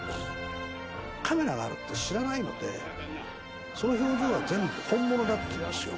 カメラがあるって知らないので、その表情は全部本物だったんですよ。